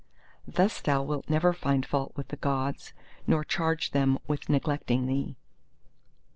Thus thou wilt never find fault with the Gods, nor charge them with neglecting thee.